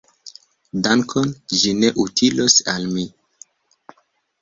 Dankon; ĝi ne utilos al mi.